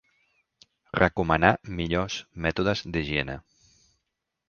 Recomanà millors mètodes d'higiene.